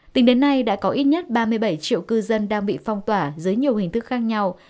tính đến nay đã có ít nhất ba mươi bảy triệu cư dân đang bị phong tỏa dưới nhiều hình thức khác nhau